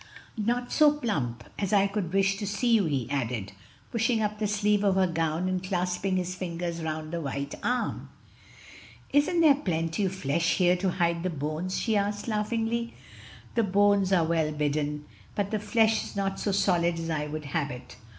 Not so plump as I could wish to see you," he added, pushing up the sleeve of her gown and clasping his fingers round the white arm. "Isn't there plenty of flesh there to hide the bones?" she asked laughingly. "The bones are well hidden, but the flesh is not so solid as I would have it."